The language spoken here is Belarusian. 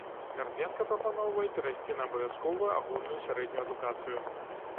Карпенка прапаноўвае перайсці на абавязковую агульную сярэднюю адукацыю.